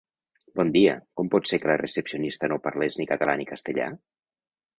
Bon dia, com pot ser que la recepcionista no parlés ni català ni castellà?